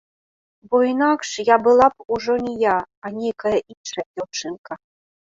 Бо інакш я была б ўжо не я, а нейкая іншая дзяўчынка.